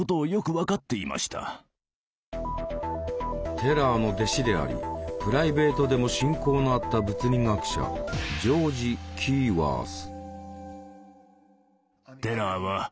テラーの弟子でありプライベートでも親交のあった物理学者ジョージ・キーワース。